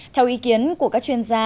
theo ý kiến của các chuyên gia